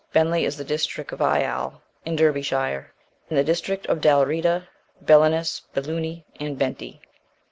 Benli in the district of Ial (in Derbyshire); in the district of Dalrieta; Belinus; Beluni; and Benty.